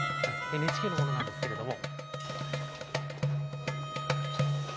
ＮＨＫの者なんですけれども。